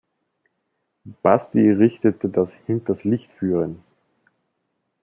Basti richtete das "hinters Licht führen".